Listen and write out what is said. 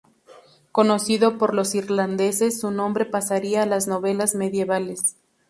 Conocido por los irlandeses, su nombre pasaría a las novelas medievales.